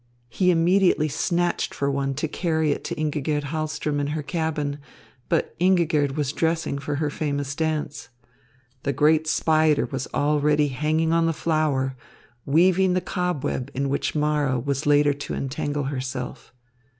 He immediately snatched for one to carry it to Ingigerd Hahlström in her cabin; but Ingigerd was dressing for her famous dance. The great spider was already hanging on the flower, weaving the cobweb in which Mara was later to entangle herself.